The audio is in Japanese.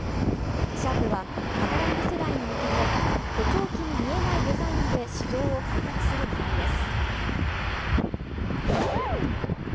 シャープは、働く世代に向けて、補聴器に見えないデザインで市場を開拓するねらいです。